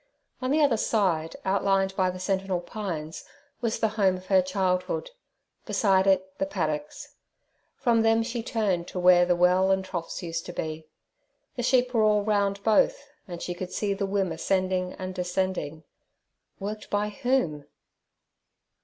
On the other side, outlined by the sentinel pines, was the home of her childhood; beside it the paddocks. From them she turned to where the well and troughs used to be. The sheep were all round both, and she could see the wim ascending and descending—worked by whom?